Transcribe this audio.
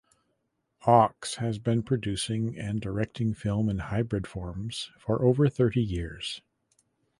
Ochs has been producing and directing film and hybrid forms for over thirty years.